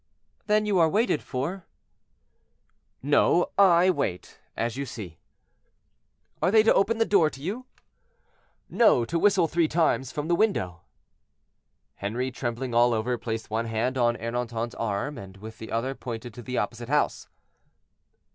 "Then you are waited for?" "No; I wait, as you see." "Are they to open the door to you?" "No; to whistle three times from the window." Henri, trembling all over, placed one hand on Ernanton's arm and with the other pointed to the opposite house.